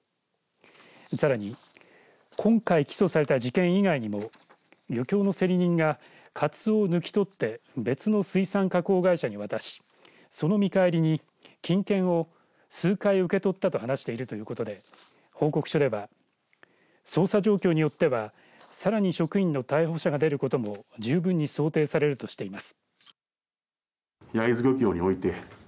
さらに、今回起訴された事件以外にも漁協の競り人がカツオを抜き取って別の水産加工会社に渡しその見返りに金券を数回受け取ったと話しているということで報告書では捜査状況によってはさらに職員の逮捕者が出ることも十分に想定されるとしています。